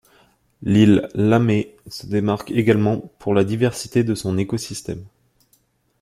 L'île Lamay se démarque également pour la diversité de son écosystème.